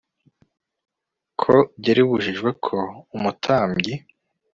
ko byari bibujijwe ko umutambyi